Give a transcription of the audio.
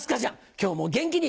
今日も元気に